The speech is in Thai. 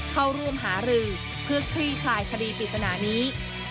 เข้าร่วมหารือเพื่อคลี่คลายคดีปริศนานี้